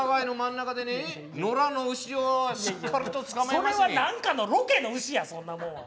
それは何かのロケの牛やそんなもんは。